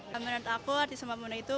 menurut aku hari sumpah pemuda itu